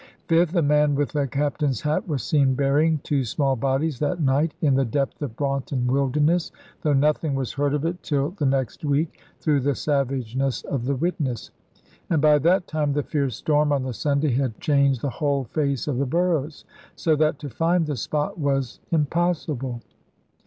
Fifth, a man with a Captain's hat was seen burying two small bodies that night, in the depth of Braunton Wilderness; though nothing was heard of it till the next week, through the savageness of the witness; and by that time the fierce storm on the Sunday had changed the whole face of the burrows, so that to find the spot was impossible.